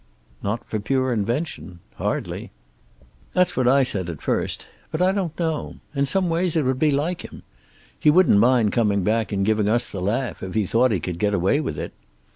"Not for pure invention. Hardly." "That's what I said at first. But I don't know. In some ways it would be like him. He wouldn't mind coming back and giving us the laugh, if he thought he could get away with it.